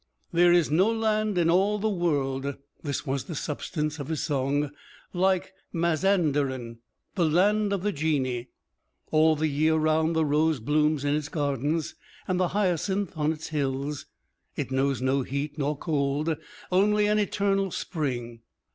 "There is no land in all the world" this was the substance of his song "like Mazanderan, the land of the Genii. All the year round the rose blooms in its gardens and the hyacinth on its hills. It knows no heat nor cold, only an eternal spring.